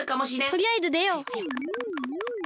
とりあえずでよう！